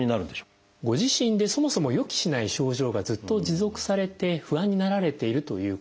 ご自身でそもそも予期しない症状がずっと持続されて不安になられているということ。